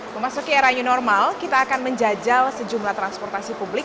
memasuki era new normal kita akan menjajal sejumlah transportasi publik